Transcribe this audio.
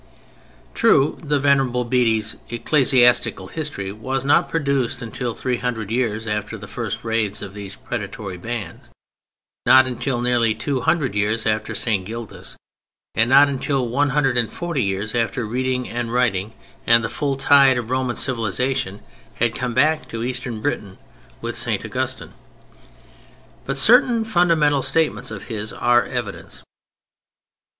True, the Venerable Bede's Ecclesiastical History was not produced until three hundred years after the first raids of these predatory bands, not until nearly two hundred years after St. Gildas, and not until one hundred and forty years after reading and writing and the full tide of Roman civilization had come back to Eastern Britain with St. Augustine: but certain fundamental statements of his are evidence.